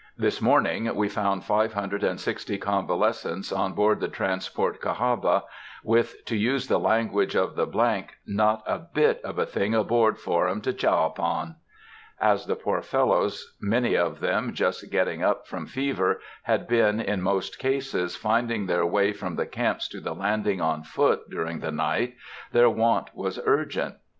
This morning we found five hundred and sixty convalescents on board the transport Cahawba, with, to use the language of the ——, "not a bit of a thing aboard for 'em to chaw upon." As the poor fellows, many of them just getting up from fever, had been, in most cases, finding their way from the camps to the landing on foot, during the night, their want was urgent.